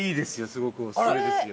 すごくおすすめですよ。